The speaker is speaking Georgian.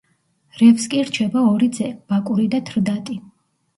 რევს კი რჩება ორი ძე ბაკური და თრდატი.